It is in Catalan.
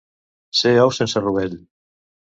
Ser ou sense rovell.